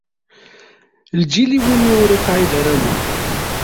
Lǧil iwumi ur iqɛid ara wul.